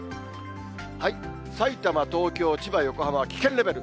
埼玉、東京、千葉、横浜は危険レベル。